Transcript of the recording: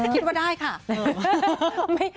คิดว่าได้ค่ะ